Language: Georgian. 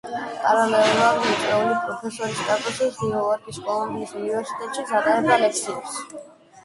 პარალელურად, მიწვეული პროფესორის სტატუსით, ნიუ იორკის კოლუმბიის უნივერსიტეტშიც ატარებდა ლექციებს.